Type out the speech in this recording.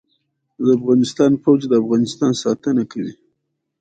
ازادي راډیو د د اوبو منابع لپاره د چارواکو دریځ خپور کړی.